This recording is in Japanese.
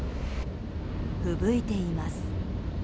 ふぶいています。